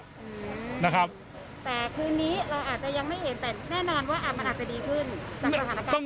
แต่คืนนี้เราอาจจะยังไม่เห็นแต่แน่นอนว่ามันอาจจะดีขึ้น